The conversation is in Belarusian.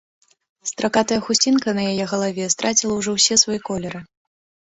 Стракатая хусцінка на яе галаве страціла ўжо ўсе свае колеры.